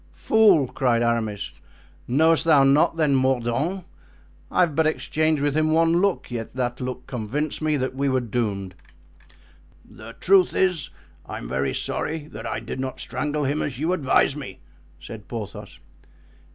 "Fool!" cried Aramis; "knowest thou not, then, Mordaunt? I have but exchanged with him one look, yet that look convinced me that we were doomed." "The truth is, I'm very sorry that I did not strangle him as you advised me," said Porthos.